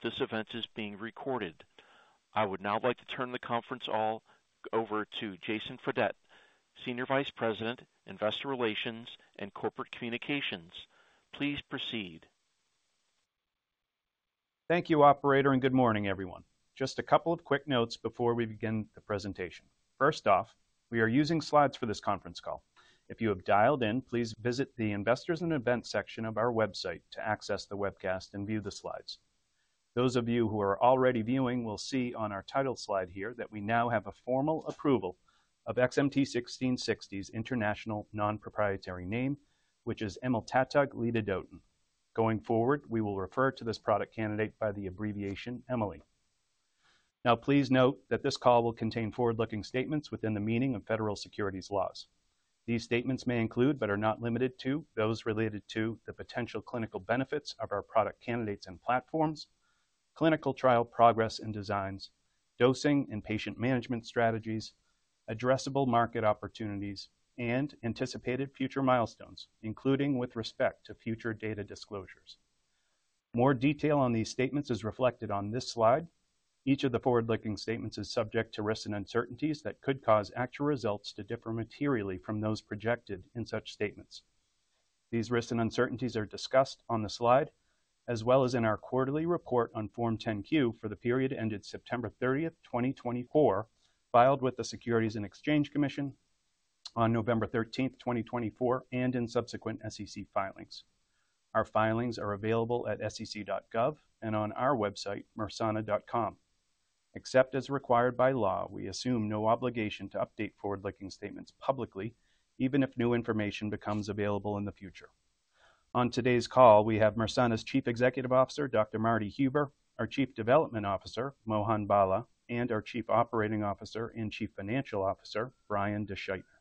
Please note this event is being recorded. I would now like to turn the conference call over to Jason Fredette, Senior Vice President, Investor Relations and Corporate Communications. Please proceed. Thank you, Operator, and good morning, everyone. Just a couple of quick notes before we begin the presentation. First off, we are using slides for this conference call. If you have dialed in, please visit the Investors and Events section of our website to access the webcast and view the slides. Those of you who are already viewing will see on our title slide here that we now have a formal approval of XMT-1660's international non-proprietary name, which is emiltatug ledadotin. Going forward, we will refer to this product candidate by the abbreviation Emi-Le. Now, please note that this call will contain forward-looking statements within the meaning of federal securities laws. These statements may include, but are not limited to, those related to the potential clinical benefits of our product candidates and platforms, clinical trial progress and designs, dosing and patient management strategies, addressable market opportunities, and anticipated future milestones, including with respect to future data disclosures. More detail on these statements is reflected on this slide. Each of the forward-looking statements is subject to risks and uncertainties that could cause actual results to differ materially from those projected in such statements. These risks and uncertainties are discussed on the slide, as well as in our quarterly report on Form 10-Q for the period ended September 30, 2024, filed with the Securities and Exchange Commission on November 13, 2024, and in subsequent SEC filings. Our filings are available at sec.gov and on our website, mersana.com. Except as required by law, we assume no obligation to update forward-looking statements publicly, even if new information becomes available in the future. On today's call, we have Mersana's Chief Executive Officer, Dr. Marty Huber, our Chief Development Officer, Mohan Bala, and our Chief Operating Officer and Chief Financial Officer, Brian DeSchuytner.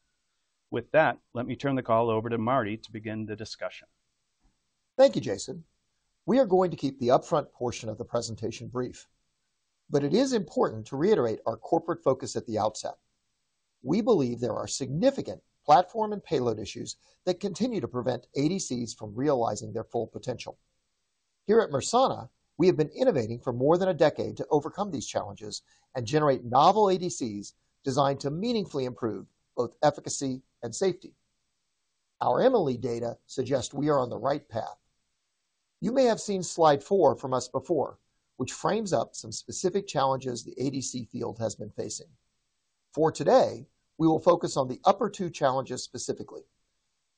With that, let me turn the call over to Martin to begin the discussion. Thank you, Jason. We are going to keep the upfront portion of the presentation brief, but it is important to reiterate our corporate focus at the outset. We believe there are significant platform and payload issues that continue to prevent ADCs from realizing their full potential. Here at Mersana, we have been innovating for more than a decade to overcome these challenges and generate novel ADCs designed to meaningfully improve both efficacy and safety. Our Emi-Le data suggests we are on the right path. You may have seen slide four from us before, which frames up some specific challenges the ADC field has been facing. For today, we will focus on the upper two challenges specifically.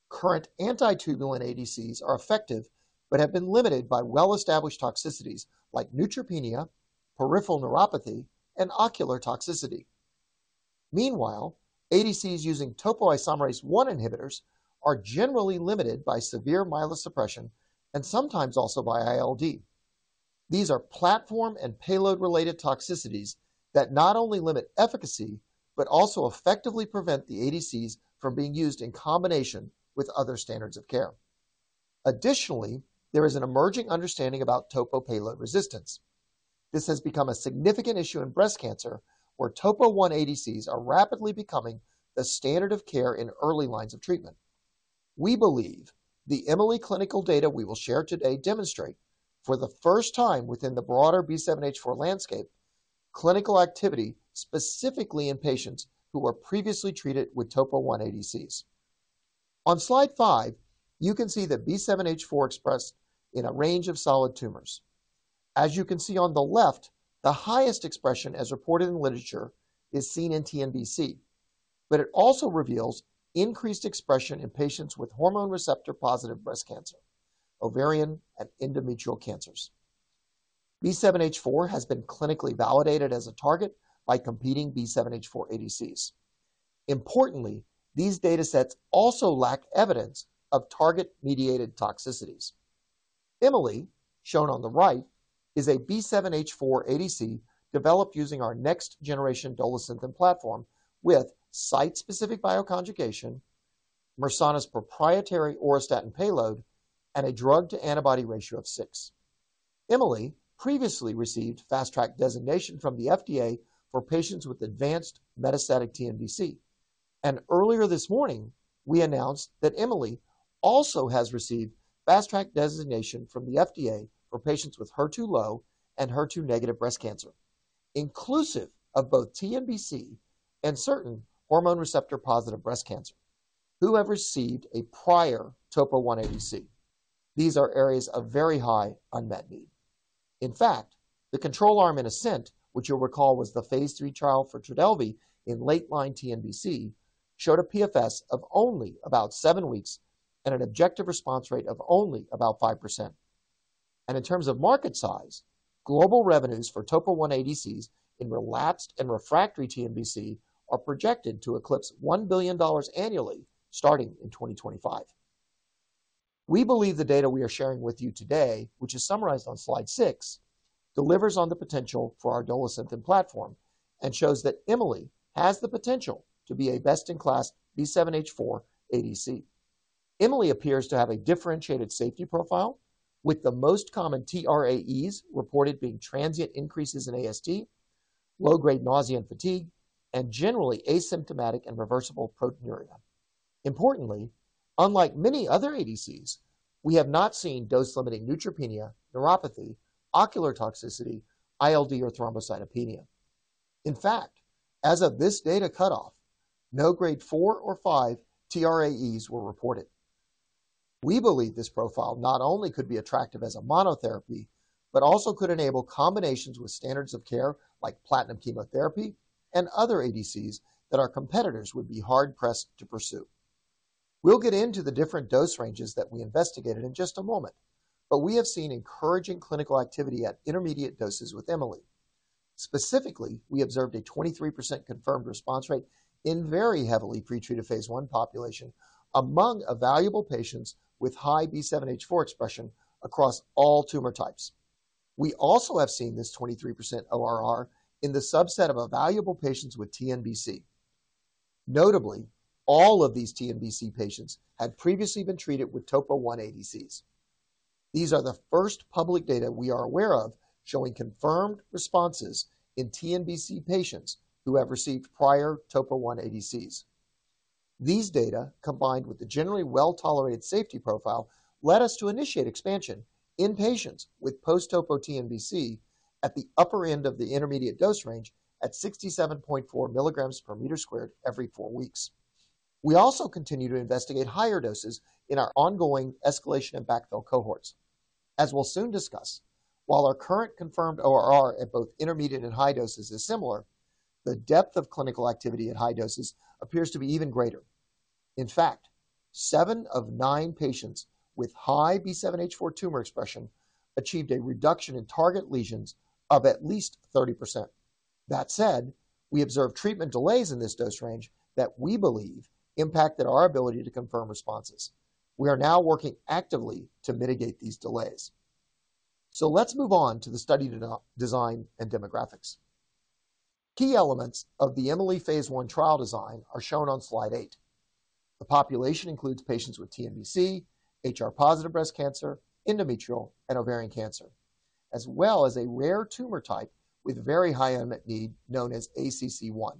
Current anti-tubulin ADCs are effective but have been limited by well-established toxicities like neutropenia, peripheral neuropathy, and ocular toxicity. Meanwhile, ADCs using topoisomerase I inhibitors are generally limited by severe myelosuppression and sometimes also by ILD. These are platform and payload-related toxicities that not only limit efficacy but also effectively prevent the ADCs from being used in combination with other standards of care. Additionally, there is an emerging understanding about topo payload resistance. This has become a significant issue in breast cancer, where topo-1 ADCs are rapidly becoming the standard of care in early lines of treatment. We believe the Emi-Le clinical data we will share today demonstrate, for the first time within the broader B7-H4 landscape, clinical activity specifically in patients who were previously treated with topo-1 ADCs. On slide five, you can see that B7-H4 expressed in a range of solid tumors. As you can see on the left, the highest expression, as reported in literature, is seen in TNBC, but it also reveals increased expression in patients with hormone-receptor-positive breast cancer, ovarian, and endometrial cancers. B7-H4 has been clinically validated as a target by competing B7-H4 ADCs. Importantly, these data sets also lack evidence of target-mediated toxicities. Emi-Le, shown on the right, is a B7-H4 ADC developed using our next-generation Dolosynthen platform with site-specific bioconjugation, Mersana's proprietary Auristatin and payload, and a drug-to-antibody ratio of six. Emi-Le previously received fast-track designation from the FDA for patients with advanced metastatic TNBC, and earlier this morning, we announced that Emi-Le also has received fast-track designation from the FDA for patients with HER2-low and HER2-negative breast cancer, inclusive of both TNBC and certain hormone-receptor-positive breast cancer who have received a prior Topo-1 ADC. These are areas of very high unmet need. In fact, the control arm in ASCENT, which you'll recall was the phase 3 trial for Trodelvy in late-line TNBC, showed a PFS of only about seven weeks and an objective response rate of only about 5%. In terms of market size, global revenues for Topo-1 ADCs in relapsed and refractory TNBC are projected to eclipse $1 billion annually starting in 2025. We believe the data we are sharing with you today, which is summarized on slide six, delivers on the potential for our Dolasynthen platform and shows that Emi-Le has the potential to be a best-in-class B7-H4 ADC. Emi-Le appears to have a differentiated safety profile, with the most common TRAEs reported being transient increases in AST, low-grade nausea and fatigue, and generally asymptomatic and reversible proteinuria. Importantly, unlike many other ADCs, we have not seen dose-limiting neutropenia, neuropathy, ocular toxicity, ILD, or thrombocytopenia. In fact, as of this data cutoff, no grade four or five TRAEs were reported. We believe this profile not only could be attractive as a monotherapy, but also could enable combinations with standards of care like platinum chemotherapy and other ADCs that our competitors would be hard-pressed to pursue. We'll get into the different dose ranges that we investigated in just a moment, but we have seen encouraging clinical activity at intermediate doses with Emi-Le. Specifically, we observed a 23% confirmed response rate in very heavily pretreated Phase I population among evaluable patients with high B7-H4 expression across all tumor types. We also have seen this 23% ORR in the subset of evaluable patients with TNBC. Notably, all of these TNBC patients had previously been treated with topo-1 ADCs. These are the first public data we are aware of showing confirmed responses in TNBC patients who have received prior topo-1 ADCs. These data, combined with the generally well-tolerated safety profile, led us to initiate expansion in patients with post-topo TNBC at the upper end of the intermediate dose range at 67.4 mgs per meter squared every four weeks. We also continue to investigate higher doses in our ongoing escalation and backfill cohorts. As we'll soon discuss, while our current confirmed ORR at both intermediate and high doses is similar, the depth of clinical activity at high doses appears to be even greater. In fact, seven of nine patients with high B7-H4 tumor expression achieved a reduction in target lesions of at least 30%. That said, we observed treatment delays in this dose range that we believe impacted our ability to confirm responses. We are now working actively to mitigate these delays. Let's move on to the study design and demographics. Key elements of the Emi-Le Phase I trial design are shown on slide eight. The population includes patients with TNBC, HR-positive breast cancer, endometrial, and ovarian cancer, as well as a rare tumor type with very high unmet need known as ACC1.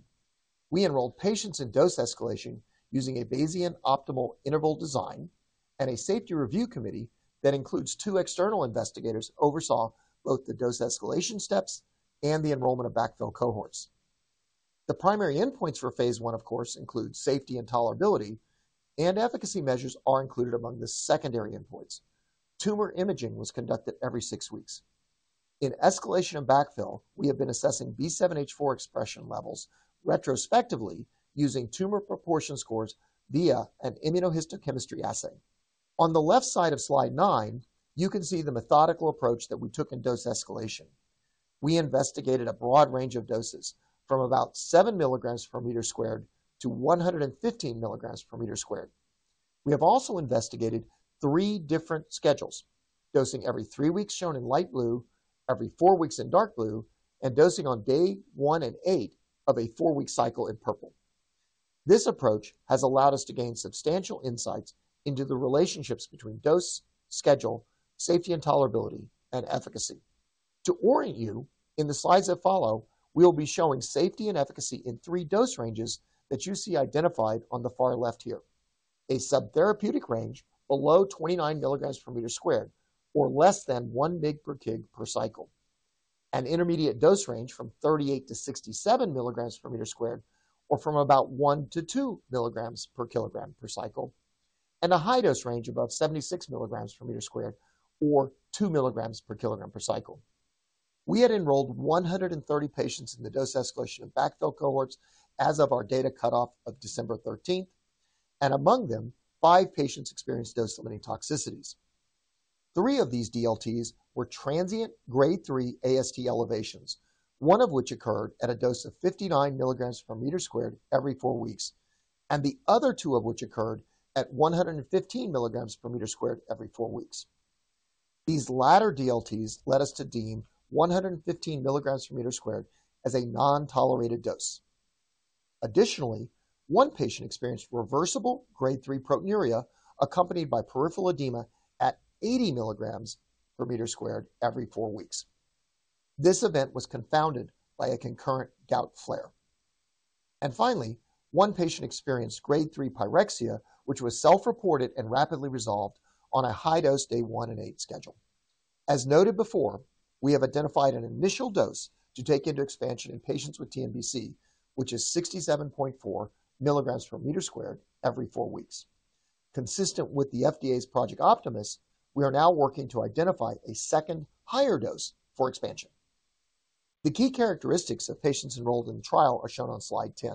We enrolled patients in dose escalation using a Bayesian Optimal Interval design and a safety review committee that includes two external investigators who oversaw both the dose escalation steps and the enrollment of backfill cohorts. The primary endpoints for Phase I, of course, include safety and tolerability, and efficacy measures are included among the secondary endpoints. Tumor imaging was conducted every six weeks. In escalation and backfill, we have been assessing B7-H4 expression levels retrospectively using tumor proportion scores via an immunohistochemistry assay. On the left side of slide nine, you can see the methodical approach that we took in dose escalation. We investigated a broad range of doses from about 7 mgs per meter squared to 115 mgs per meter squared. We have also investigated three different schedules, dosing every three weeks shown in light blue, every four weeks in dark blue, and dosing on day one and eight of a four-week cycle in purple. This approach has allowed us to gain substantial insights into the relationships between dose, schedule, safety and tolerability, and efficacy. To orient you, in the slides that follow, we'll be showing safety and efficacy in three dose ranges that you see identified on the far left here: a subtherapeutic range below 29 mgs per meter squared, or less than one mg per kg per cycle, an intermediate dose range from 38 to 67 mgs per meter squared, or from about one to two mgs per kilogram per cycle, and a high dose range above 76 mgs per meter squared, or two mgs per kilogram per cycle. We had enrolled 130 patients in the dose escalation and backfill cohorts as of our data cutoff of December 13, and among them, five patients experienced dose-limiting toxicities. Three of these DLTs were transient Grade 3 AST elevations, one of which occurred at a dose of 59 mgs per meter squared every four weeks, and the other two of which occurred at 115 mgs per meter squared every four weeks. These latter DLTs led us to deem 115 mgs per meter squared as a non-tolerated dose. Additionally, one patient experienced reversible Grade 3 proteinuria accompanied by peripheral edema at 80 mgs per meter squared every four weeks. This event was confounded by a concurrent gout flare. Finally, one patient experienced Grade 3 pyrexia, which was self-reported and rapidly resolved on a high dose day one and eight schedule. As noted before, we have identified an initial dose to take into expansion in patients with TNBC, which is 67.4 mgs per meter squared every four weeks. Consistent with the FDA's Project Optimus, we are now working to identify a second higher dose for expansion. The key characteristics of patients enrolled in the trial are shown on slide 10.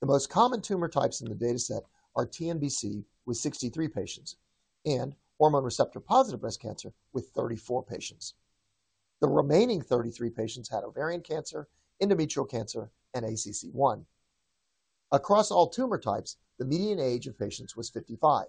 The most common tumor types in the data set are TNBC with 63 patients and hormone-receptor-positive breast cancer with 34 patients. The remaining 33 patients had ovarian cancer, endometrial cancer, and ACC1. Across all tumor types, the median age of patients was 55.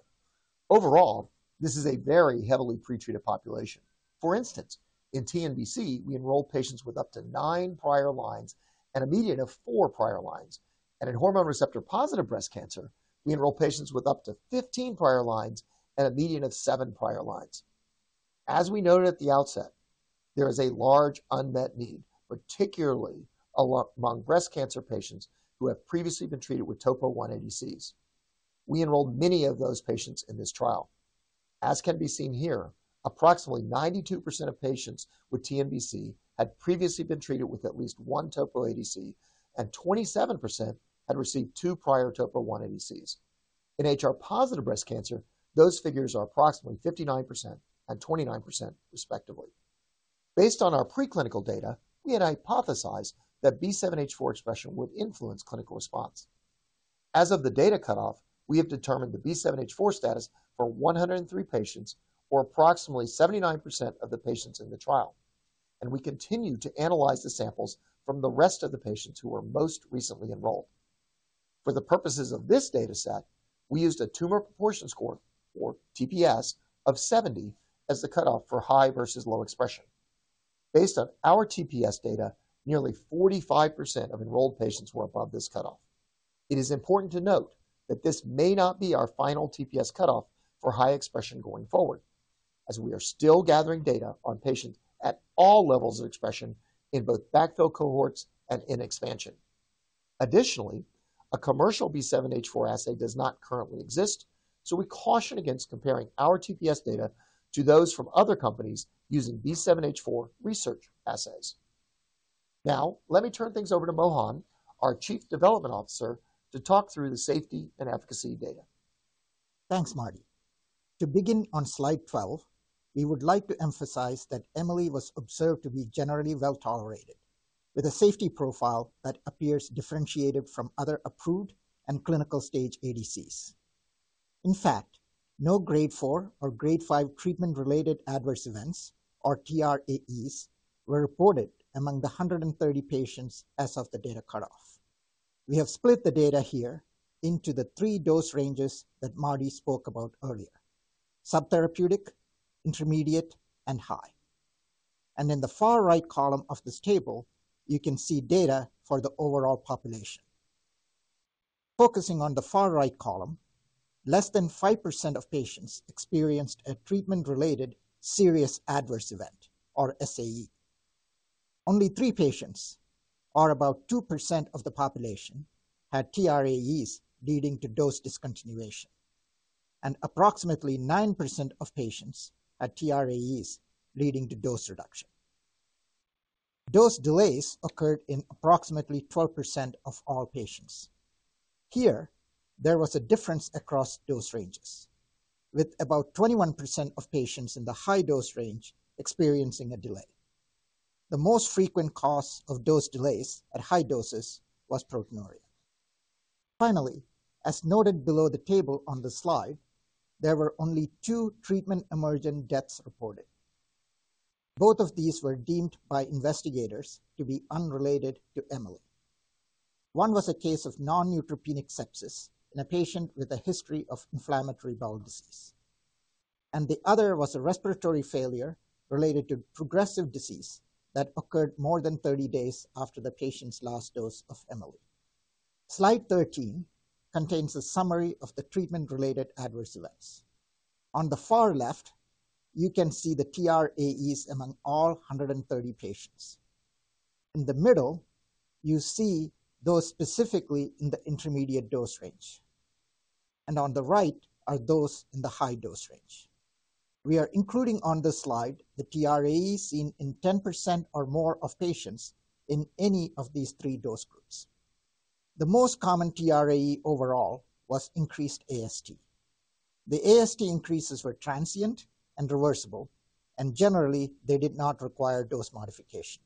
Overall, this is a very heavily pretreated population. For instance, in TNBC, we enrolled patients with up to nine prior lines and a median of four prior lines, and in hormone-receptor-positive breast cancer, we enrolled patients with up to 15 prior lines and a median of seven prior lines. As we noted at the outset, there is a large unmet need, particularly among breast cancer patients who have previously been treated with topo-1 ADCs. We enrolled many of those patients in this trial. As can be seen here, approximately 92% of patients with TNBC had previously been treated with at least one topo-ADC, and 27% had received two prior topo-1 ADCs. In HR-positive breast cancer, those figures are approximately 59% and 29%, respectively. Based on our preclinical data, we had hypothesized that B7-H4 expression would influence clinical response. As of the data cutoff, we have determined the B7-H4 status for 103 patients, or approximately 79% of the patients in the trial, and we continue to analyze the samples from the rest of the patients who were most recently enrolled. For the purposes of this data set, we used a tumor proportion score, or TPS, of 70 as the cutoff for high versus low expression. Based on our TPS data, nearly 45% of enrolled patients were above this cutoff. It is important to note that this may not be our final TPS cutoff for high expression going forward, as we are still gathering data on patients at all levels of expression in both backfill cohorts and in expansion. Additionally, a commercial B7-H4 assay does not currently exist, so we caution against comparing our TPS data to those from other companies using B7-H4 research assays. Now, let me turn things over to Mohan, our Chief Development Officer, to talk through the safety and efficacy data. Thanks, Martin. To begin on slide 12, we would like to emphasize that Emi-Le was observed to be generally well-tolerated, with a safety profile that appears differentiated from other approved and clinical stage ADCs. In fact, no Grade 4 or Grade 5 Treatment-Related Adverse Events, or TRAEs, were reported among the 130 patients as of the data cutoff. We have split the data here into the three dose ranges that Martin spoke about earlier: subtherapeutic, intermediate, and high. And in the far right column of this table, you can see data for the overall population. Focusing on the far right column, less than 5% of patients experienced a treatment-related Serious Adverse Event, or SAE. Only three patients, or about 2% of the population, had TRAEs leading to dose discontinuation, and approximately 9% of patients had TRAEs leading to dose reduction. Dose delays occurred in approximately 12% of all patients. Here, there was a difference across dose ranges, with about 21% of patients in the high dose range experiencing a delay. The most frequent cause of dose delays at high doses was proteinuria. Finally, as noted below the table on the slide, there were only two treatment-emergent deaths reported. Both of these were deemed by investigators to be unrelated to Emi-Le. One was a case of non-neutropenic sepsis in a patient with a history of inflammatory bowel disease, and the other was a respiratory failure related to progressive disease that occurred more than 30 days after the patient's last dose of Emi-Le. Slide 13 contains a summary of the treatment-related adverse events. On the far left, you can see the TRAEs among all 130 patients. In the middle, you see those specifically in the intermediate dose range, and on the right are those in the high dose range. We are including on this slide the TRAEs seen in 10% or more of patients in any of these three dose groups. The most common TRAE overall was increased AST. The AST increases were transient and reversible, and generally, they did not require dose modification.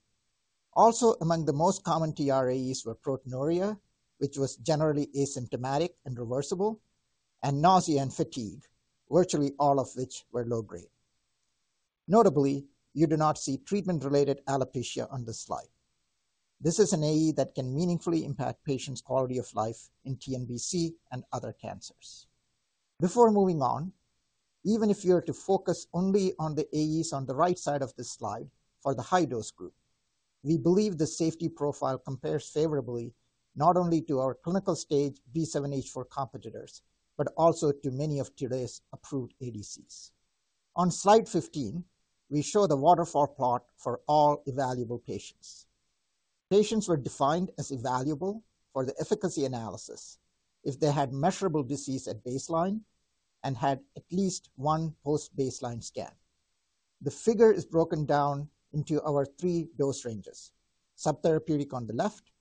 Also, among the most common TRAEs were proteinuria, which was generally asymptomatic and reversible, and nausea and fatigue, virtually all of which were low-grade. Notably, you do not see treatment-related alopecia on this slide. This is an AE that can meaningfully impact patients' quality of life in TNBC and other cancers. Before moving on, even if you are to focus only on the AEs on the right side of this slide for the high dose group, we believe the safety profile compares favorably not only to our clinical stage B7-H4 competitors, but also to many of today's approved ADCs. On slide 15, we show the waterfall plot for all evaluable patients. Patients were defined as evaluable for the efficacy analysis if they had measurable disease at baseline and had at least one post-baseline scan. The figure is broken down into our three dose ranges: subtherapeutic on the left,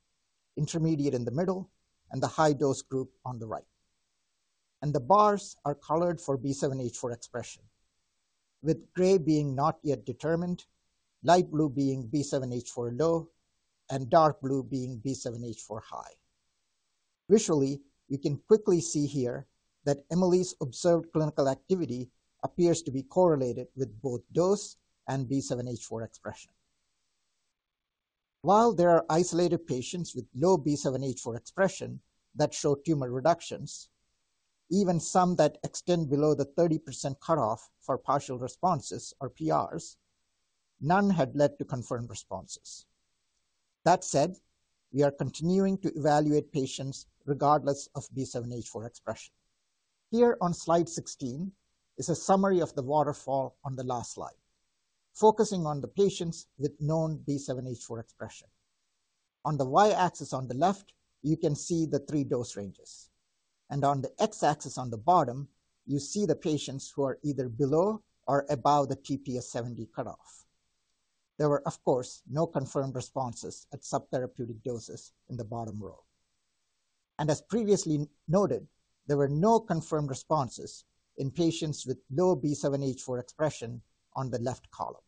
intermediate in the middle, and the high dose group on the right, and the bars are colored for B7-H4 expression, with gray being not yet determined, light blue being B7-H4 low, and dark blue being B7-H4 high. Visually, you can quickly see here that Emi-Le's observed clinical activity appears to be correlated with both dose and B7-H4 expression. While there are isolated patients with low B7-H4 expression that show tumor reductions, even some that extend below the 30% cutoff for partial responses, or PRs, none had led to confirmed responses. That said, we are continuing to evaluate patients regardless of B7-H4 expression. Here on slide 16 is a summary of the waterfall on the last slide, focusing on the patients with known B7-H4 expression. On the Y-axis on the left, you can see the three dose ranges, and on the X-axis on the bottom, you see the patients who are either below or above the TPS 70 cutoff. There were, of course, no confirmed responses at subtherapeutic doses in the bottom row. And as previously noted, there were no confirmed responses in patients with low B7-H4 expression on the left column.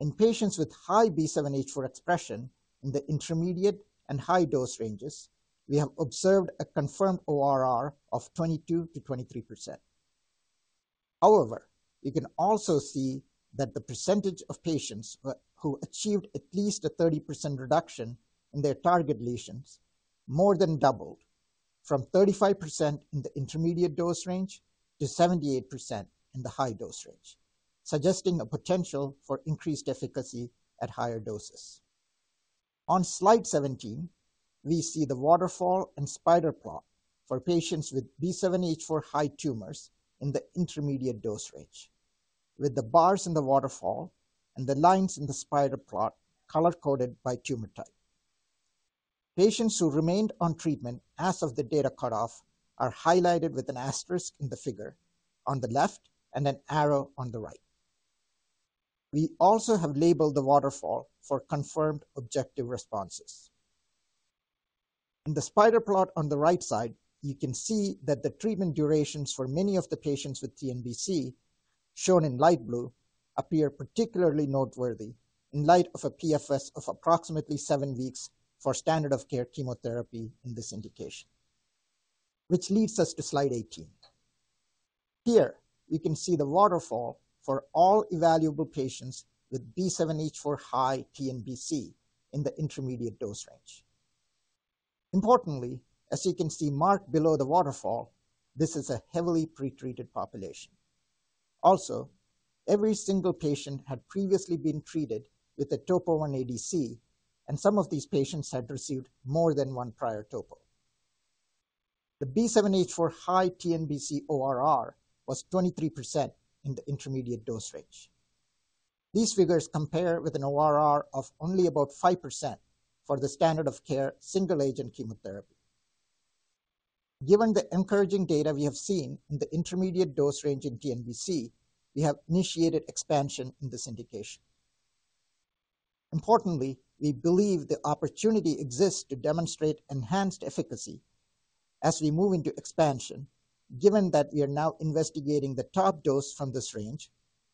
In patients with high B7-H4 expression in the intermediate and high dose ranges, we have observed a confirmed ORR of 22%-23%. However, you can also see that the percentage of patients who achieved at least a 30% reduction in their target lesions more than doubled from 35% in the intermediate dose range to 78% in the high dose range, suggesting a potential for increased efficacy at higher doses. On slide 17, we see the waterfall and spider plot for patients with B7-H4 high tumors in the intermediate dose range, with the bars in the waterfall and the lines in the spider plot color-coded by tumor type. Patients who remained on treatment as of the data cutoff are highlighted with an asterisk in the figure on the left and an arrow on the right. We also have labeled the waterfall for confirmed objective responses. In the spider plot on the right side, you can see that the treatment durations for many of the patients with TNBC shown in light blue appear particularly noteworthy in light of a PFS of approximately seven weeks for standard of care chemotherapy in this indication, which leads us to slide 18. Here, you can see the waterfall for all evaluable patients with B7-H4 high TNBC in the intermediate dose range. Importantly, as you can see marked below the waterfall, this is a heavily pretreated population. Also, every single patient had previously been treated with a topo-1 ADC, and some of these patients had received more than one prior topo. The B7-H4 high TNBC ORR was 23% in the intermediate dose range. These figures compare with an ORR of only about 5% for the standard of care single-agent chemotherapy. Given the encouraging data we have seen in the intermediate dose range in TNBC, we have initiated expansion in this indication. Importantly, we believe the opportunity exists to demonstrate enhanced efficacy as we move into expansion, given that we are now investigating the top dose from this range,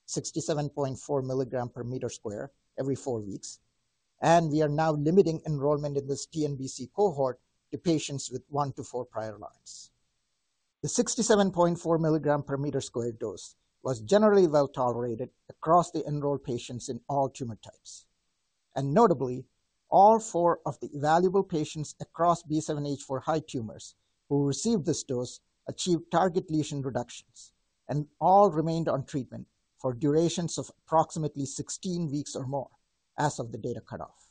67.4 mgs per square meter every four weeks, and we are now limiting enrollment in this TNBC cohort to patients with one to four prior lines. The 67.4 mgs per square meter dose was generally well-tolerated across the enrolled patients in all tumor types. Notably, all four of the evaluable patients across B7-H4 high tumors who received this dose achieved target lesion reductions and all remained on treatment for durations of approximately 16 weeks or more as of the data cutoff.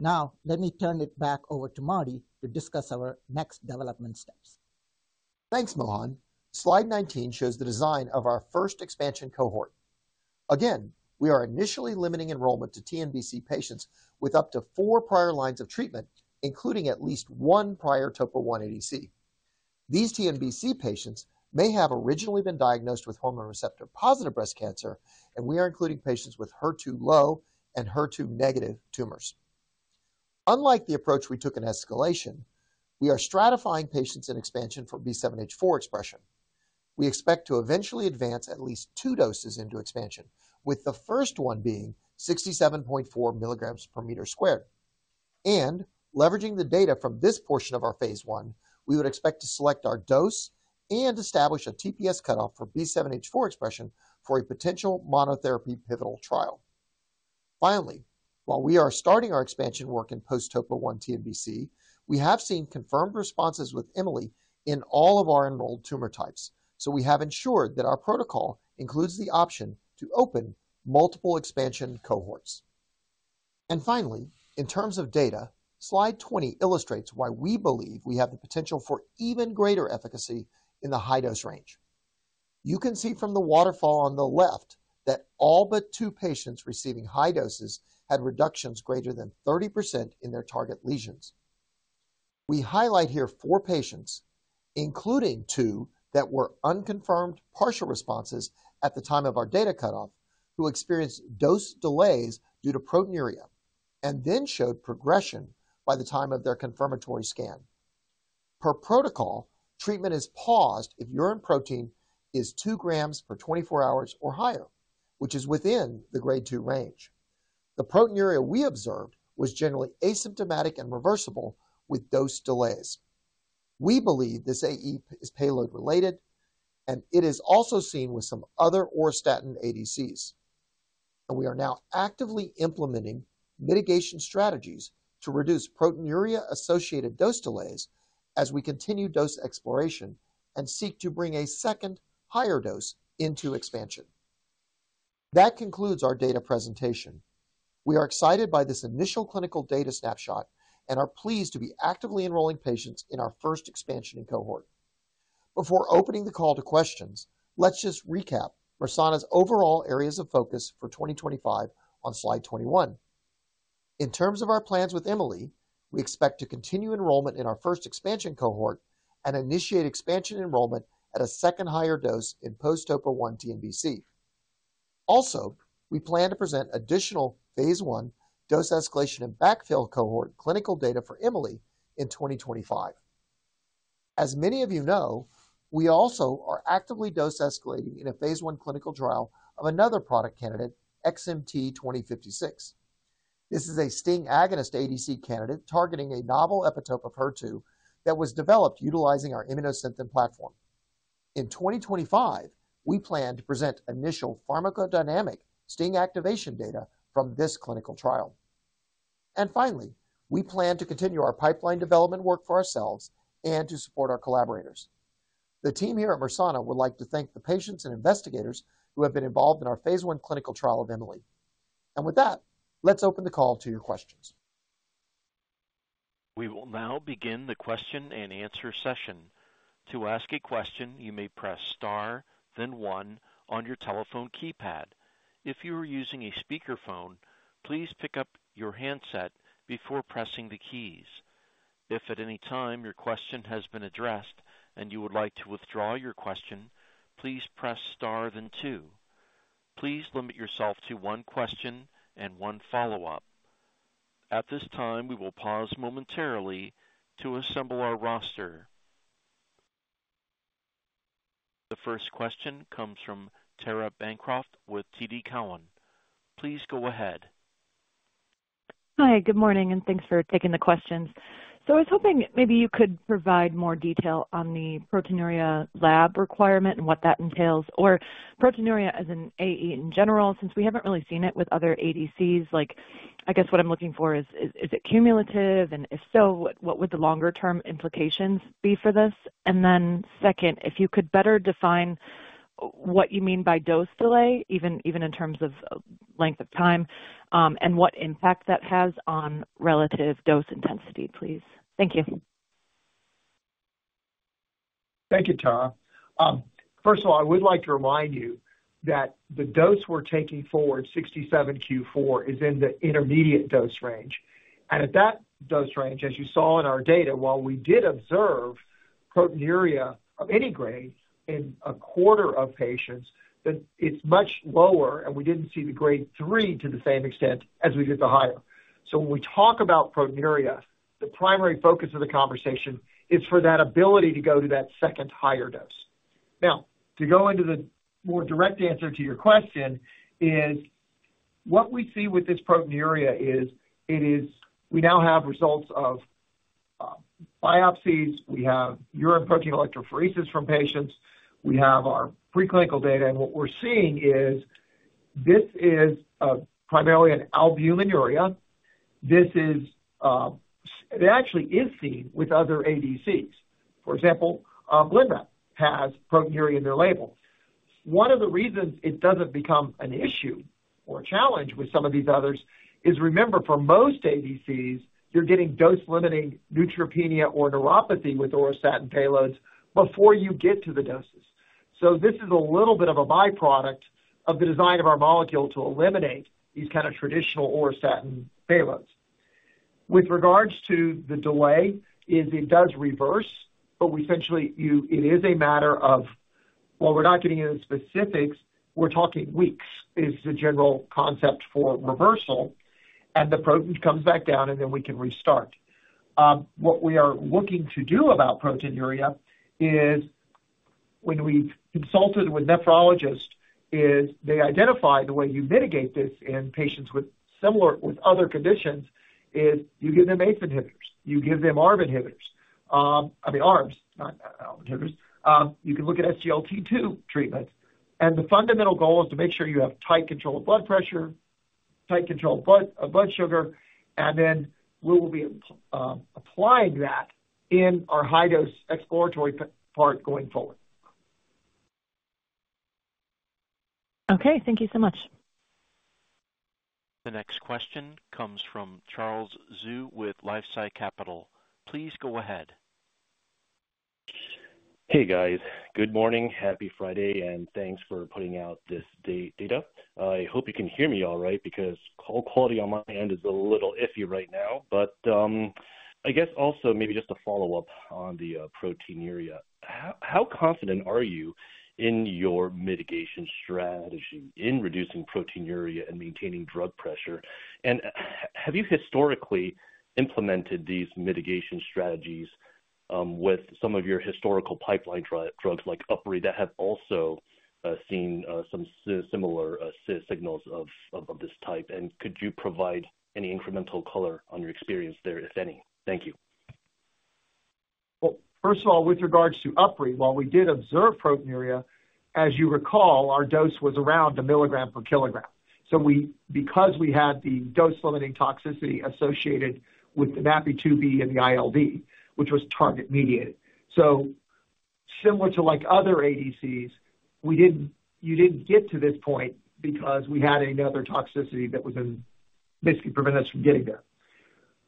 Now, let me turn it back over to Martin to discuss our next development steps. Thanks, Mohan. Slide 19 shows the design of our first expansion cohort. Again, we are initially limiting enrollment to TNBC patients with up to four prior lines of treatment, including at least one prior topo-1 ADC. These TNBC patients may have originally been diagnosed with hormone-receptor-positive breast cancer, and we are including patients with HER2-low and HER2-negative tumors. Unlike the approach we took in escalation, we are stratifying patients in expansion for B7-H4 expression. We expect to eventually advance at least two doses into expansion, with the first one being 67.4 mgs per meter squared, and leveraging the data from this portion of our phase 1, we would expect to select our dose and establish a TPS cutoff for B7-H4 expression for a potential monotherapy pivotal trial. Finally, while we are starting our expansion work in post-Topo-1 TNBC, we have seen confirmed responses with Emi-Le in all of our enrolled tumor types, so we have ensured that our protocol includes the option to open multiple expansion cohorts, and finally, in terms of data, slide 20 illustrates why we believe we have the potential for even greater efficacy in the high dose range. You can see from the waterfall on the left that all but two patients receiving high doses had reductions greater than 30% in their target lesions. We highlight here four patients, including two that were unconfirmed partial responses at the time of our data cutoff, who experienced dose delays due to proteinuria and then showed progression by the time of their confirmatory scan. Per protocol, treatment is paused if urine protein is two grams per 24 hours or higher, which is within the grade two range. The proteinuria we observed was generally asymptomatic and reversible with dose delays. We believe this AE is payload-related, and it is also seen with some other auristatin ADCs, and we are now actively implementing mitigation strategies to reduce proteinuria-associated dose delays as we continue dose exploration and seek to bring a second higher dose into expansion. That concludes our data presentation. We are excited by this initial clinical data snapshot and are pleased to be actively enrolling patients in our first expansion cohort. Before opening the call to questions, let's just recap Mersana's overall areas of focus for 2025 on slide 21. In terms of our plans with Emi-Le, we expect to continue enrollment in our first expansion cohort and initiate expansion enrollment at a second higher dose in post-Topo-1 TNBC. Also, we plan to present additional phase 1 dose escalation and backfill cohort clinical data for Emi-Le in 2025. As many of you know, we also are actively dose escalating in a phase 1 clinical trial of another product candidate, XMT-2056. This is a STING agonist ADC candidate targeting a novel epitope of HER2 that was developed utilizing our Immunosynthen platform. In 2025, we plan to present initial pharmacodynamic STING activation data from this clinical trial. And finally, we plan to continue our pipeline development work for ourselves and to support our collaborators. The team here at Mersana would like to thank the patients and investigators who have been involved in our Phase I clinical trial of Emi-Le. And with that, let's open the call to your questions. We will now begin the question and answer session. To ask a question, you may press star, then one on your telephone keypad. If you are using a speakerphone, please pick up your handset before pressing the keys. If at any time your question has been addressed and you would like to withdraw your question, please press star, then two. Please limit yourself to one question and one follow-up. At this time, we will pause momentarily to assemble our roster. The first question comes from Tara Bancroft with TD Cowen. Please go ahead. Hi, good morning, and thanks for taking the questions. So I was hoping maybe you could provide more detail on the proteinuria lab requirement and what that entails, or proteinuria as an AE in general, since we haven't really seen it with other ADCs. Like, I guess what I'm looking for is, is it cumulative? And if so, what would the longer-term implications be for this? And then second, if you could better define what you mean by dose delay, even in terms of length of time, and what impact that has on relative dose intensity, please. Thank you. Thank you, Tara. First of all, I would like to remind you that the dose we're taking forward, 67Q4, is in the intermediate dose range. At that dose range, as you saw in our data, while we did observe proteinuria of any grade in a quarter of patients, it's much lower, and we didn't see the Grade 3 to the same extent as we did the higher. So when we talk about proteinuria, the primary focus of the conversation is for that ability to go to that second higher dose. Now, to go into the more direct answer to your question is, what we see with this proteinuria is we now have results of biopsies. We have urine protein electrophoresis from patients. We have our preclinical data. And what we're seeing is this is primarily an albuminuria. This is, it actually is seen with other ADCs. For example, Gilead has proteinuria in their label. One of the reasons it doesn't become an issue or a challenge with some of these others is, remember, for most ADCs, you're getting dose-limiting neutropenia or neuropathy with auristatin payloads before you get to the doses. So this is a little bit of a byproduct of the design of our molecule to eliminate these kinds of traditional auristatin payloads. With regards to the delay, it does reverse, but we essentially, it is a matter of, while we're not getting into the specifics, we're talking weeks is the general concept for reversal, and the protein comes back down, and then we can restart. What we are looking to do about proteinuria is, when we've consulted with nephrologists, they identify the way you mitigate this in patients with similar other conditions is you give them ACE inhibitors. You give them ARB inhibitors. I mean, ARBs, not ARB inhibitors. You can look at SGLT2 treatments, and the fundamental goal is to make sure you have tight control of blood pressure, tight control of blood sugar, and then we will be applying that in our high-dose exploratory part going forward. Okay, thank you so much. The next question comes from Charles Zhu with LifeSci Capital. Please go ahead. Hey, guys. Good morning, happy Friday, and thanks for putting out this data. I hope you can hear me all right because call quality on my end is a little iffy right now, but I guess also maybe just a follow-up on the proteinuria. How confident are you in your mitigation strategy in reducing proteinuria and maintaining drug pressure, and have you historically implemented these mitigation strategies with some of your historical pipeline drugs like UpRi that have also seen some similar signals of this type? Could you provide any incremental color on your experience there, if any? Thank you. First of all, with regards to UpRi, while we did observe proteinuria, as you recall, our dose was around a mg per kilogram. Because we had the dose-limiting toxicity associated with the NaPi2b and the ILD, which was target-mediated. Similar to other ADCs, you didn't get to this point because we had another toxicity that was in basically preventing us from getting there.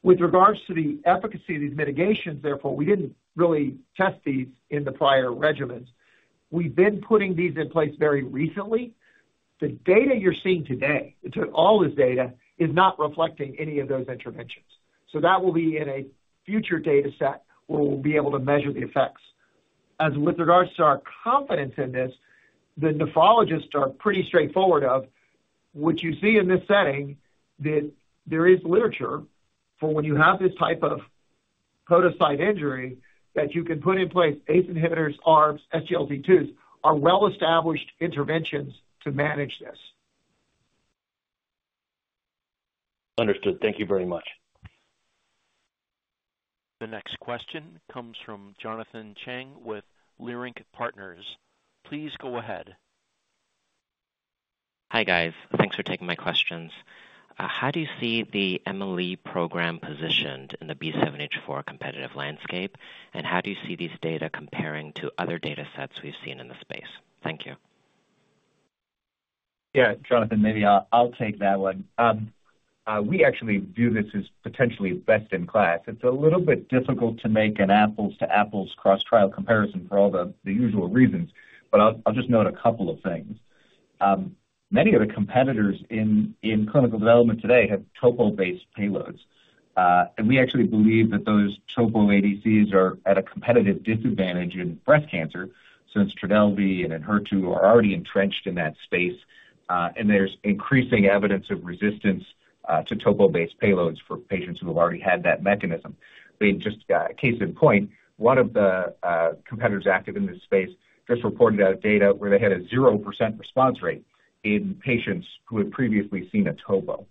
With regards to the efficacy of these mitigations, therefore, we didn't really test these in the prior regimens. We've been putting these in place very recently. The data you're seeing today, all this data, is not reflecting any of those interventions. That will be in a future data set where we'll be able to measure the effects. As with regards to our confidence in this, the nephrologists are pretty straightforward of what you see in this setting, that there is literature for when you have this type of podocyte injury that you can put in place ACE inhibitors, ARBs, SGLT2s, are well-established interventions to manage this. Understood. Thank you very much. The next question comes from Jonathan Chang with Leerink Partners. Please go ahead. Hi guys. Thanks for taking my questions. How do you see the Emi-Le program positioned in the B7-H4 competitive landscape? And how do you see these data comparing to other data sets we've seen in the space? Thank you. Yeah, Jonathan, maybe I'll take that one. We actually view this as potentially best in class. It's a little bit difficult to make an apples-to-apples cross-trial comparison for all the usual reasons, but I'll just note a couple of things. Many of the competitors in clinical development today have topo-based payloads, and we actually believe that those topo ADCs are at a competitive disadvantage in breast cancer since Trodelvy and HER2 are already entrenched in that space, and there's increasing evidence of resistance to topo-based payloads for patients who have already had that mechanism. I mean, just a case in point, one of the competitors active in this space just reported out data where they had a 0% response rate in patients who had previously seen a topo,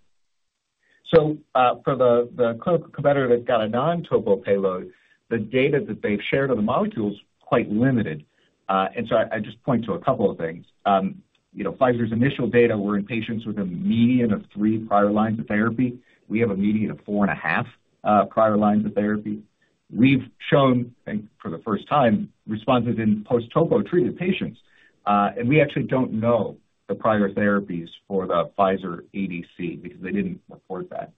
so for the clinical competitor that's got a non-topo payload, the data that they've shared on the molecule is quite limited, and so I just point to a couple of things. Pfizer's initial data were in patients with a median of three prior lines of therapy. We have a median of four and a half prior lines of therapy. We've shown, I think for the first time, responses in post-topo treated patients. And we actually don't know the prior therapies for the Pfizer ADC because they didn't report that.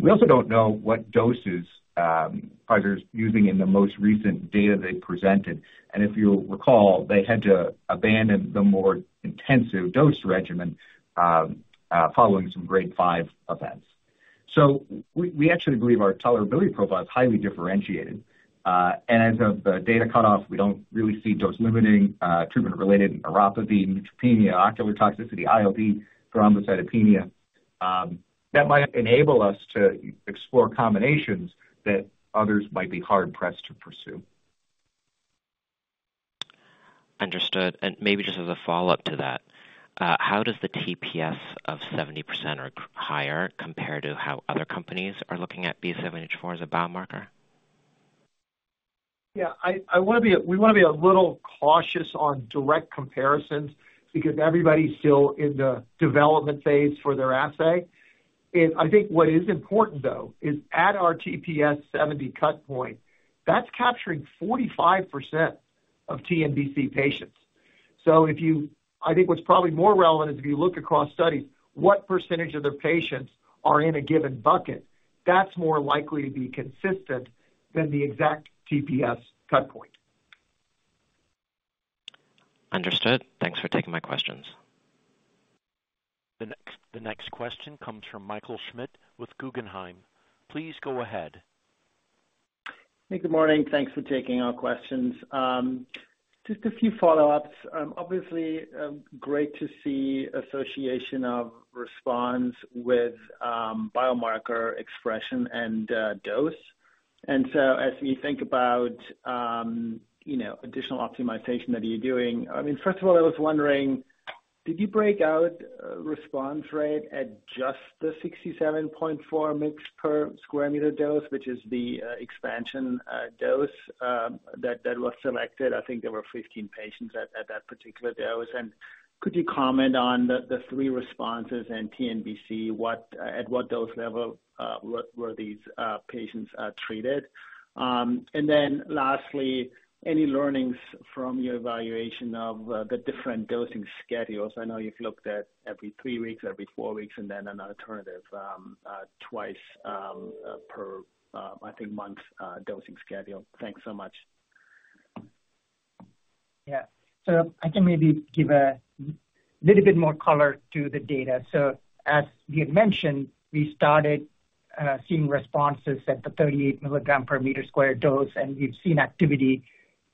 We also don't know what doses Pfizer is using in the most recent data they presented. And if you recall, they had to abandon the more intensive dose regimen following some grade five events. So we actually believe our tolerability profile is highly differentiated. And as of the data cutoff, we don't really see dose-limiting, treatment-related neuropathy, neutropenia, ocular toxicity, ILD, thrombocytopenia. That might enable us to explore combinations that others might be hard-pressed to pursue. Understood. And maybe just as a follow-up to that, how does the TPS of 70% or higher compare to how other companies are looking at B7-H4 as a biomarker? Yeah, we want to be a little cautious on direct comparisons because everybody's still in the development phase for their assay. I think what is important, though, is at our TPS 70 cut point, that's capturing 45% of TNBC patients. So I think what's probably more relevant is if you look across studies, what percentage of the patients are in a given bucket, that's more likely to be consistent than the exact TPS cut point. Understood. Thanks for taking my questions. The next question comes from Michael Schmidt with Guggenheim. Please go ahead. Hey, good morning. Thanks for taking our questions. Just a few follow-ups. Obviously, great to see association of response with biomarker expression and dose. And so as we think about additional optimization that you are doing, I mean, first of all, I was wondering, did you break out response rate at just the 67.4 mg per square meter dose, which is the expansion dose that was selected? I think there were 15 patients at that particular dose. And could you comment on the three responses in TNBC, at what dose level were these patients treated? And then lastly, any learnings from your evaluation of the different dosing schedules? I know you have looked at every three weeks, every four weeks, and then an alternative twice per, I think, month dosing schedule. Thanks so much. Yeah. So I can maybe give a little bit more color to the data. As we had mentioned, we started seeing responses at the 38 mg per square meter dose, and we've seen activity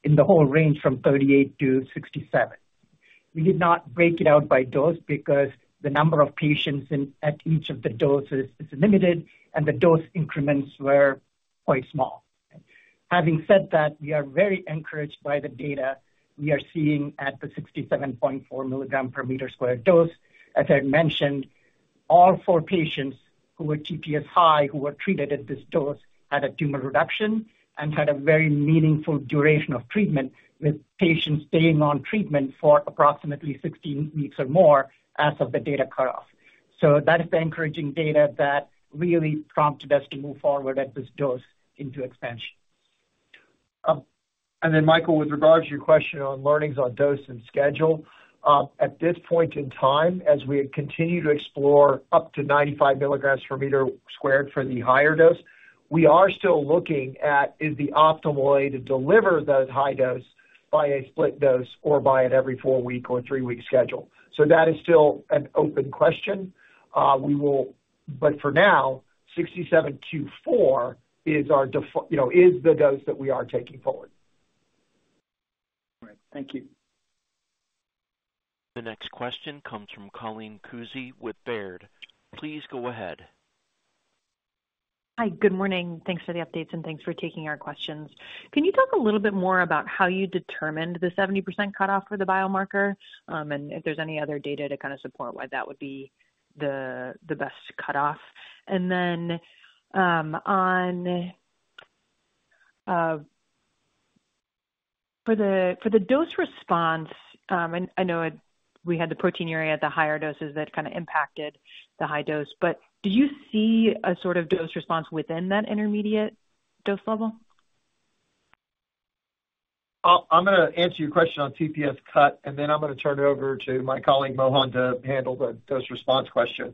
in the whole range from 38-67. We did not break it out by dose because the number of patients at each of the doses is limited, and the dose increments were quite small. Having said that, we are very encouraged by the data we are seeing at the 67.4 mg per square meter dose. As I had mentioned, all four patients who were TPS high, who were treated at this dose, had a tumor reduction and had a very meaningful duration of treatment with patients staying on treatment for approximately 16 weeks or more as of the data cutoff. That is the encouraging data that really prompted us to move forward at this dose into expansion. And then, Michael, with regards to your question on learnings on dose and schedule, at this point in time, as we continue to explore up to 95 mgs per meter squared for the higher dose, we are still looking at what is the optimal way to deliver those high dose by a split dose or by an every four-week or three-week schedule. So that is still an open question. But for now, 67 mgs per meter squared Q4 is the dose that we are taking forward. All right. Thank you. The next question comes from Colleen Kusy with Baird. Please go ahead. Hi, good morning. Thanks for the updates and thanks for taking our questions. Can you talk a little bit more about how you determined the 70% cutoff for the biomarker and if there's any other data to kind of support why that would be the best cutoff? And then on for the dose response, I know we had the proteinuria at the higher doses that kind of impacted the high dose, but do you see a sort of dose response within that intermediate dose level? I'm going to answer your question on TPS cut, and then I'm going to turn it over to my colleague Mohan to handle the dose response question.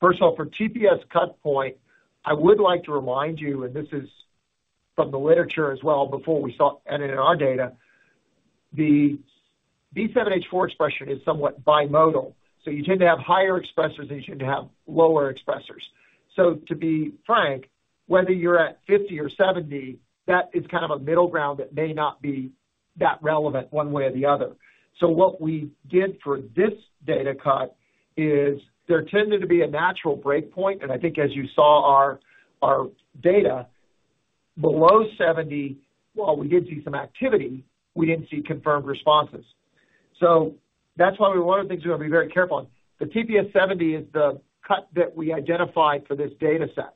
First of all, for TPS cut point, I would like to remind you, and this is from the literature as well before we saw and in our data, the B7-H4 expression is somewhat bimodal. So you tend to have higher expressors and you tend to have lower expressors. So to be frank, whether you're at 50 or 70, that is kind of a middle ground that may not be that relevant one way or the other. So what we did for this data cut is there tended to be a natural breakpoint. And I think as you saw our data, below 70, while we did see some activity, we didn't see confirmed responses. So that's why one of the things we want to be very careful on. The TPS 70 is the cut that we identified for this data set.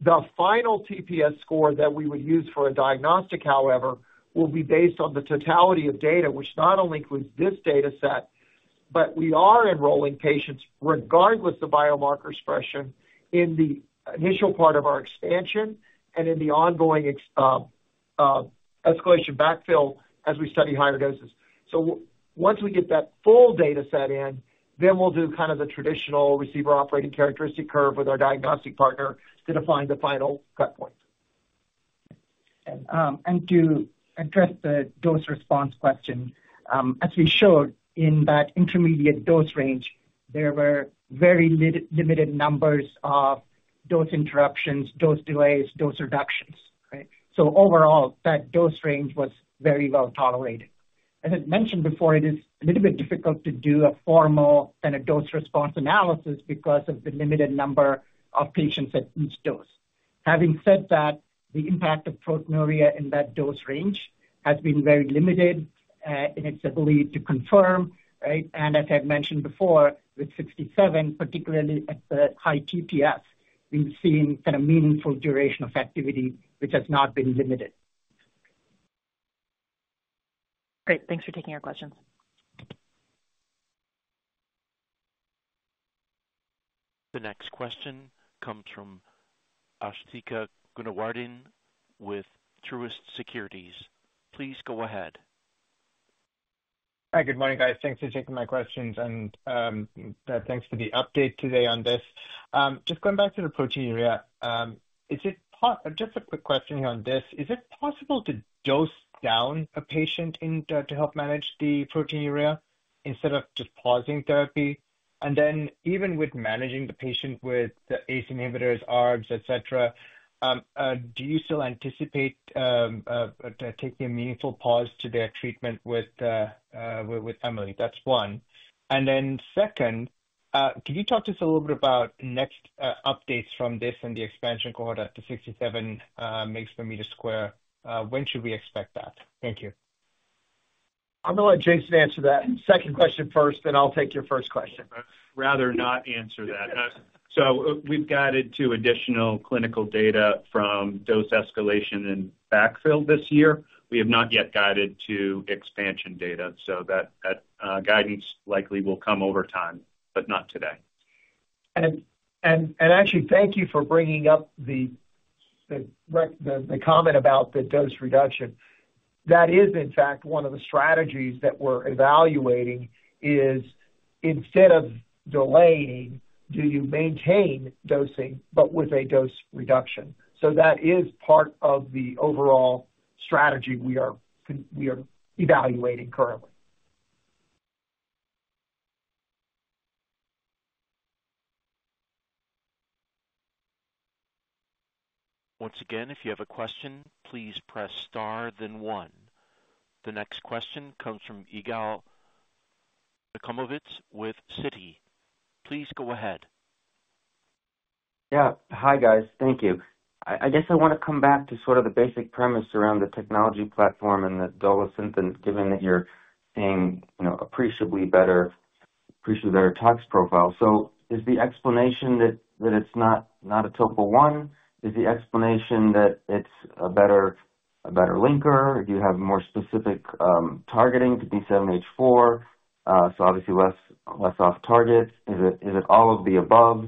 The final TPS score that we would use for a diagnostic, however, will be based on the totality of data, which not only includes this data set, but we are enrolling patients regardless of biomarker expression in the initial part of our expansion and in the ongoing escalation backfill as we study higher doses. So once we get that full data set in, then we'll do kind of the traditional receiver operating characteristic curve with our diagnostic partner to define the final cut point. And to address the dose response question, as we showed in that intermediate dose range, there were very limited numbers of dose interruptions, dose delays, dose reductions, right? So overall, that dose range was very well tolerated. As I mentioned before, it is a little bit difficult to do a formal kind of dose response analysis because of the limited number of patients at each dose. Having said that, the impact of proteinuria in that dose range has been very limited in its ability to confirm, right? And as I had mentioned before, with 67, particularly at the high TPS, we've seen kind of meaningful duration of activity, which has not been limited. Great. Thanks for taking our questions. The next question comes from Ashthika Goonewardene with Truist Securities. Please go ahead. Hi, good morning, guys. Thanks for taking my questions. And thanks for the update today on this. Just going back to the proteinuria, is it just a quick question here on this? Is it possible to dose down a patient to help manage the proteinuria instead of just pausing therapy? And then even with managing the patient with the ACE inhibitors, ARBs, etc., do you still anticipate taking a meaningful pause to their treatment with Emi-Le? That's one. And then second, can you talk to us a little bit about next updates from this and the expansion cohort at the 67 mg per square meter? When should we expect that? Thank you. I'm going to let Jason answer that second question first, then I'll take your first question. Rather not answer that. So we've guided to additional clinical data from dose escalation and backfill this year. We have not yet guided to expansion data. So that guidance likely will come over time, but not today. Actually, thank you for bringing up the comment about the dose reduction. That is, in fact, one of the strategies that we're evaluating is instead of delaying, do you maintain dosing, but with a dose reduction? So that is part of the overall strategy we are evaluating currently. Once again, if you have a question, please press star, then one. The next question comes from Yigal Nochomovitz with Citi. Please go ahead. Yeah. Hi, guys. Thank you. I guess I want to come back to sort of the basic premise around the technology platform and the Dolasynthen, given that you're seeing appreciably better tox profiles. So is the explanation that it's not a topo-1? Is the explanation that it's a better linker? Do you have more specific targeting to B7-H4? So obviously less off target. Is it all of the above?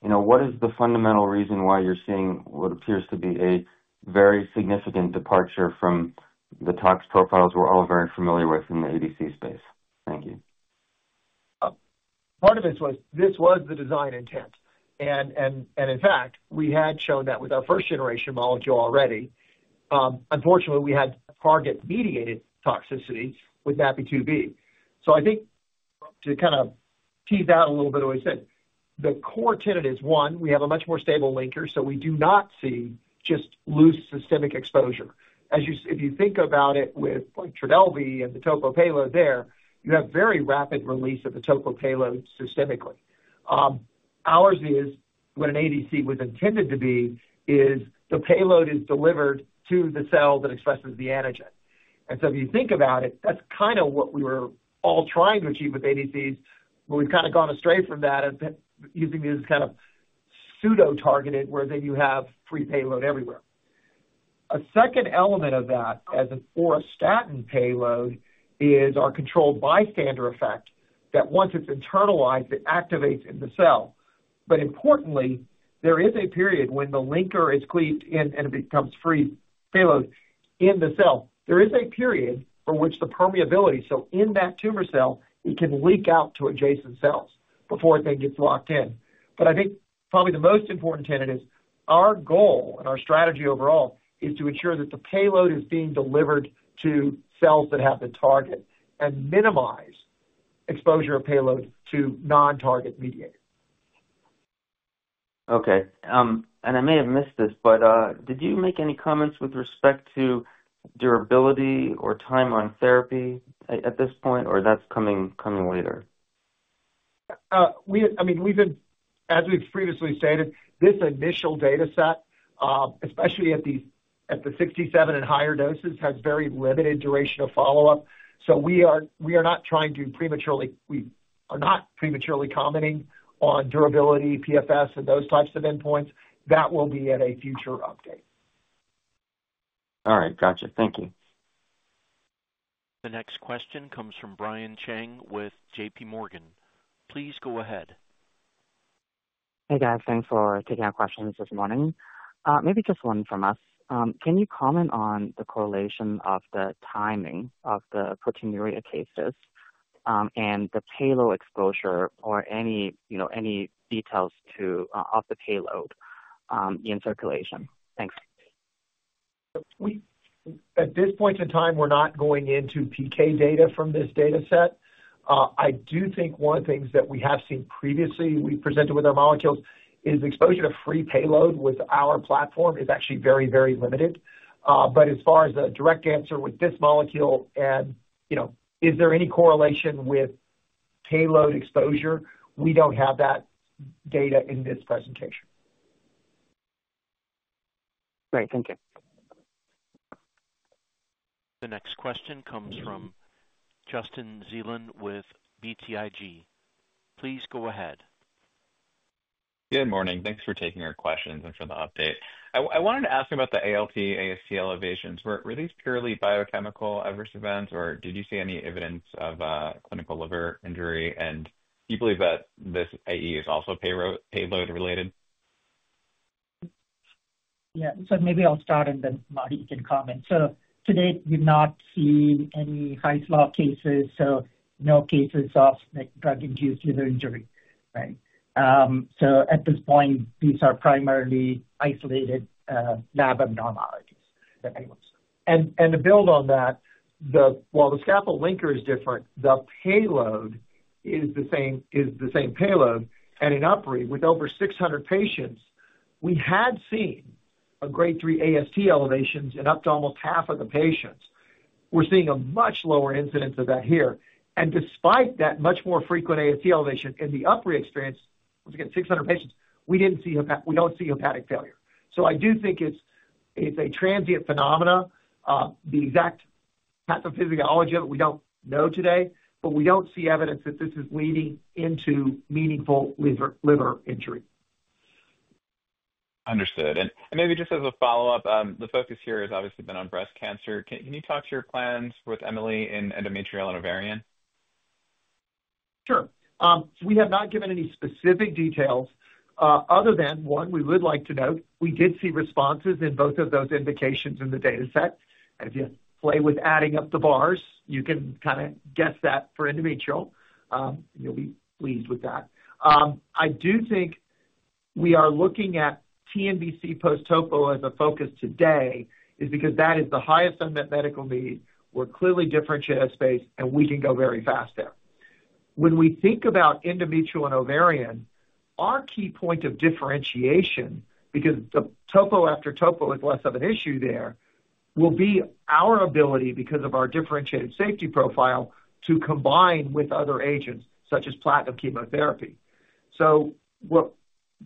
What is the fundamental reason why you're seeing what appears to be a very significant departure from the tox profiles we're all very familiar with in the ADC space? Thank you. Part of this was the design intent. And in fact, we had shown that with our first-generation molecule already. Unfortunately, we had target-mediated toxicity with NaPi2b. So I think to kind of tease out a little bit of what he said, the core tenet is one, we have a much more stable linker, so we do not see just low systemic exposure. If you think about it with Trodelvy and the topo payload there, you have very rapid release of the topo payload systemically. Ours is what an ADC was intended to be is the payload is delivered to the cell that expresses the antigen. And so if you think about it, that's kind of what we were all trying to achieve with ADCs, but we've kind of gone astray from that and using these kind of pseudo-targeted where then you have free payload everywhere. A second element of that as an auristatin payload is our controlled bystander effect that once it's internalized, it activates in the cell. But importantly, there is a period when the linker is cleaved in and it becomes free payload in the cell. There is a period for which the permeability, so in that tumor cell, it can leak out to adjacent cells before it then gets locked in. But I think probably the most important tenet is our goal and our strategy overall is to ensure that the payload is being delivered to cells that have the target and minimize exposure of payload to non-target mediator. Okay. And I may have missed this, but did you make any comments with respect to durability or time on therapy at this point, or that's coming later? I mean, as we've previously stated, this initial data set, especially at the 67 and higher doses, has very limited duration of follow-up. So we are not prematurely commenting on durability, PFS, and those types of endpoints. That will be at a future update. All right. Gotcha. Thank you. The next question comes from Brian Cheng with JPMorgan. Please go ahead. Hey, guys. Thanks for taking our questions this morning. Maybe just one from us. Can you comment on the correlation of the timing of the proteinuria cases and the payload exposure or any details of the payload in circulation? Thanks. At this point in time, we're not going into PK data from this data set. I do think one of the things that we have seen previously we presented with our molecules is exposure to free payload with our platform is actually very, very limited. But as far as a direct answer with this molecule and is there any correlation with payload exposure, we don't have that data in this presentation. Great. Thank you. The next question comes from Justin Zelin with BTIG. Please go ahead. Good morning. Thanks for taking our questions and for the update. I wanted to ask about the ALT, AST elevations. Were these purely biochemical adverse events, or did you see any evidence of clinical liver injury, and do you believe that this AE is also payload-related? Yeah. So maybe I'll start and then Mohan can comment. So to date, we've not seen any Hy's Law cases, so no cases of drug-induced liver injury, right? So at this point, these are primarily isolated lab abnormalities. And to build on that, while the scaffold linker is different, the payload is the same payload. And in UpRi with over 600 patients, we had seen a Grade 3 AST elevations in up to almost half of the patients. We're seeing a much lower incidence of that here. And despite that much more frequent AST elevation in the UpRi experience, once again, 600 patients, we didn't see hepatic failure. So I do think it's a transient phenomenon. The exact pathophysiology of it, we don't know today, but we don't see evidence that this is leading into meaningful liver injury. Understood. And maybe just as a follow-up, the focus here has obviously been on breast cancer. Can you talk to your plans with Emi-Le in endometrial and ovarian? Sure. We have not given any specific details other than one. We would like to note, we did see responses in both of those indications in the data set. And if you play with adding up the bars, you can kind of guess that for endometrial. You'll be pleased with that. I do think we are looking at TNBC post topo as a focus today is because that is the highest unmet medical need. We're clearly differentiated space, and we can go very fast there. When we think about endometrial and ovarian, our key point of differentiation, because the topo after topo is less of an issue there, will be our ability because of our differentiated safety profile to combine with other agents such as platinum chemotherapy. So what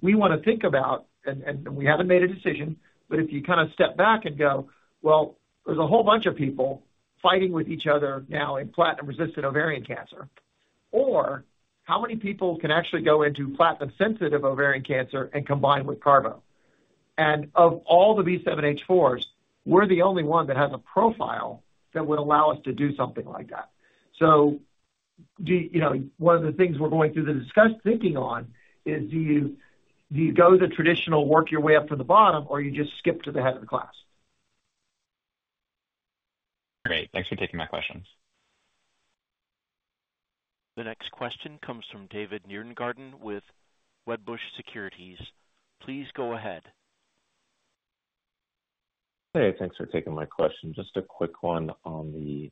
we want to think about, and we haven't made a decision, but if you kind of step back and go, well, there's a whole bunch of people fighting with each other now in platinum-resistant ovarian cancer, or how many people can actually go into platinum-sensitive ovarian cancer and combine with carbo? And of all the B7-H4s, we're the only one that has a profile that would allow us to do something like that. So one of the things we're going through the discussion thinking on is do you go the traditional work your way up from the bottom, or you just skip to the head of the class? Great. Thanks for taking my questions. The next question comes from David Nierengarten with Wedbush Securities. Please go ahead. Hey, thanks for taking my question. Just a quick one on the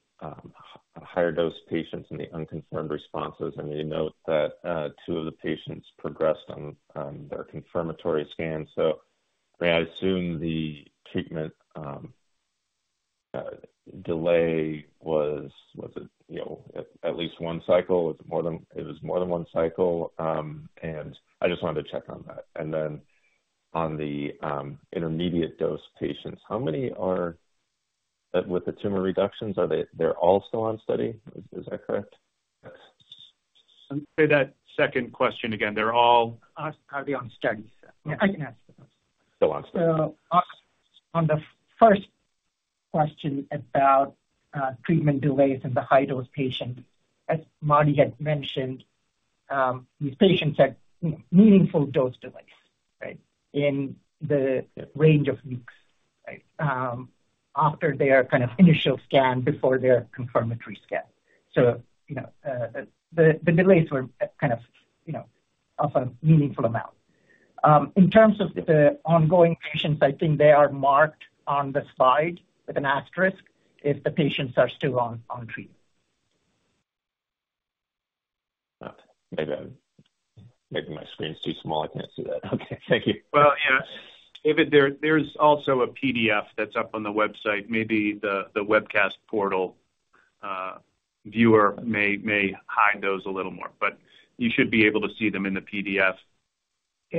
higher dose patients and the unconfirmed responses. You note that two of the patients progressed on their confirmatory scans. So I assume the treatment delay was at least one cycle. It was more than one cycle. And I just wanted to check on that. And then on the intermediate dose patients, how many are with the tumor reductions? Are they all still on study? Is that correct? Say that second question again. They're all. Are they on study? I can answer the first. Still on study. So on the first question about treatment delays in the high-dose patients, as Marty had mentioned, these patients had meaningful dose delays, right, in the range of weeks, right, after their kind of initial scan before their confirmatory scan. So the delays were kind of of a meaningful amount. In terms of the ongoing patients, I think they are marked on the slide with an asterisk if the patients are still on treatment. Maybe my screen's too small. I can't see that. Okay. Thank you. Well, yeah. David, there's also a PDF that's up on the website. Maybe the webcast portal viewer may hide those a little more, but you should be able to see them in the PDF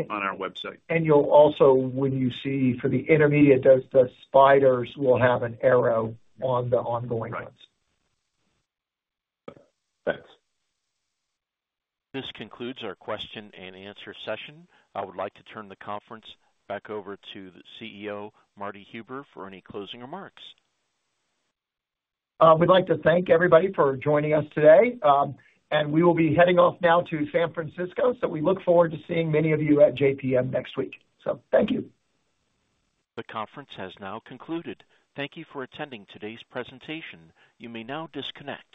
on our website. And also, when you see for the intermediate dose, the spiders will have an arrow on the ongoing ones. Thanks. This concludes our question and answer session. I would like to turn the conference back over to the CEO, Martin Huber for any closing remarks. We'd like to thank everybody for joining us today. And we will be heading off now to San Francisco. So we look forward to seeing many of you at JPM next week. So thank you. The conference has now concluded. Thank you for attending today's presentation. You may now disconnect.